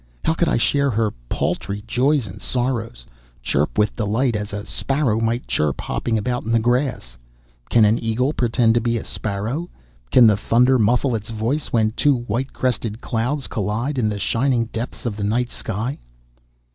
How could I share her paltry joys and sorrows, chirp with delight as a sparrow might chirp hopping about in the grass? Can an eagle pretend to be a sparrow? Can the thunder muffle its voice when two white crested clouds collide in the shining depths of the night sky?"